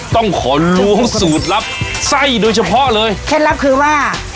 ต้องขอล้วงสูตรลับไส้โดยเฉพาะเลยเคล็ดลับคือว่า